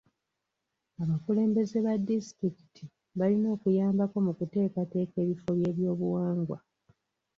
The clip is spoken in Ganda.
Abakulembeze ba disitulikiti balina okuyambako mu kuteekateeka ebifo by'ebyobuwangwa.